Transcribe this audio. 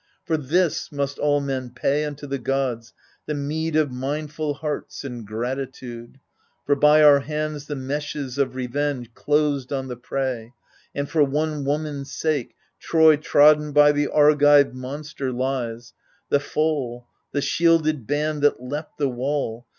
For this must all men pay unto the gods The meed of mindful hearts and gratitude : For by our hands the meshes of revenge Closed on the prey, and for one woman's sake Troy trodden by the Argive monster lies — The foal, the shielded band that leapt the wall.